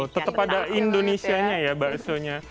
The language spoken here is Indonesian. tetap ada indonesia nya ya bakso nya